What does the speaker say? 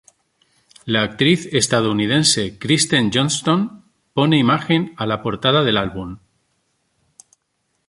La actriz estadounidense Kristen Johnston pone imagen a la portada del álbum.